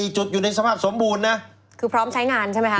จุดอยู่ในสภาพสมบูรณ์นะคือพร้อมใช้งานใช่ไหมคะ